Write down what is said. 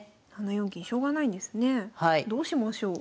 ７四金しょうがないですねえ。どうしましょう？